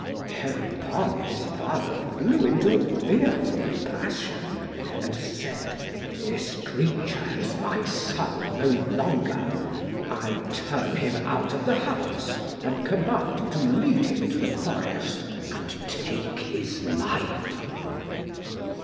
Thereupon his father flew into a fearful passion, and said: 'This creature is my son no longer. I turn him out of the house and command you to lead him into the forest and take his life.'